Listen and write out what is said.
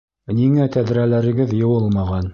Ниңә тәҙрәләрегеҙ йыуылмаған?